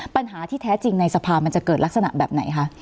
ปัญหาที่แท้จริงในสภามันจะเกิดลักษณะแบบไหนคะ